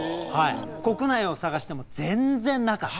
国内を探しても全然なかった。